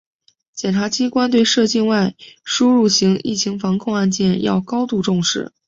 检察机关对涉境外输入型疫情防控案件要高度重视